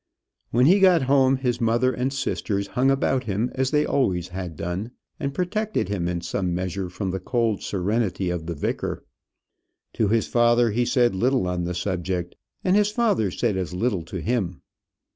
When he got home, his mother and sisters hung about him as they always had done, and protected him in some measure from the cold serenity of the vicar. To his father he said little on the subject, and his father said as little to him.